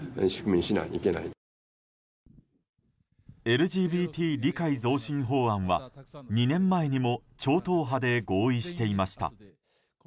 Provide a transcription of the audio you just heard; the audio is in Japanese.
ＬＧＢＴ理解増進法案は２年前にも超党派で合意していました。